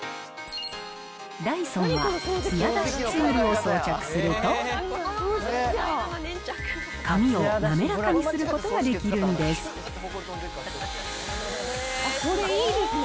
ダイソンはつや出しツールを装着すると、髪を滑らかにすることがこれ、いいですね。